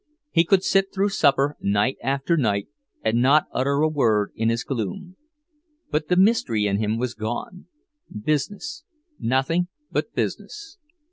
He could sit through supper night after night and not utter a word in his gloom. But the mystery in him was gone. Business, nothing but business.